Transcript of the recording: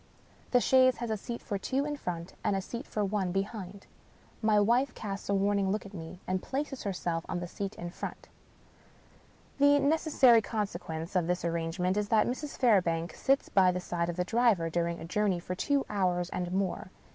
The chaise has a seat for two in front, and a seat for one behind. My wife casts a warning look at me, and places herself on the seat in front. The necessary consequence of this arrangement is that Mrs. Fairbank sits by the side of the driver during a jour ney of two hours and more.